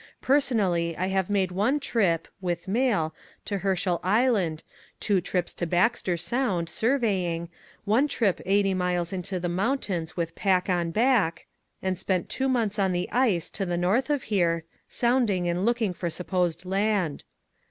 Personally I have made one trip (with mail) to Herschell Island, two trips to Ba.xter Sound surveying, one trip 80 miles into the mountains with pack on back, and spent two months on the ice to the north of here sounding and looking for supposed land.